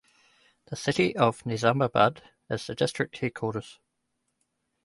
The city of Nizamabad is the district headquarters.